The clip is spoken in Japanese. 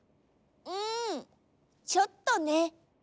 うんちょっとね。